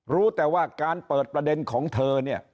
รู้แต่ว่าการเปิดประเด็นของเธอเนี่ย